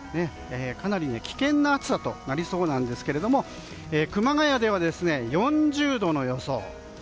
かなり危険な暑さとなりそうなんですけど熊谷では、４０度の予想。